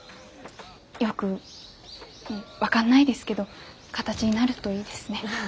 よく分かんないですけど形になるといいですね。